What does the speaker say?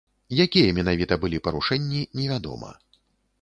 Якія менавіта былі парушэнні, невядома.